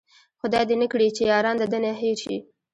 خداې دې نه کړي چې ياران د ده نه هير شي